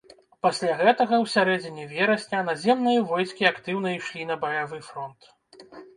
Пасля гэтага ў сярэдзіне верасня наземныя войскі актыўна ішлі на баявы фронт.